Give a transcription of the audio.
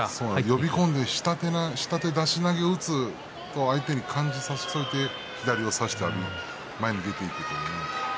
呼び込んで下手出し投げを打つ感じに相手をさせて左を差して前に出ていく。